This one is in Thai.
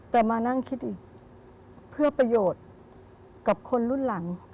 แต่มานั่งคิดอีกเพื่อประโยชน์กับคนรุ่นหลัง